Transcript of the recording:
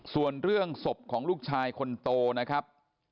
ส่วนเรื่องศพของลูกชายคนโตนะครับ